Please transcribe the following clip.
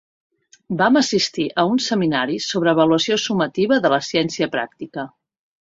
Vam assistir a un seminari sobre avaluació sumativa de la ciència pràctica.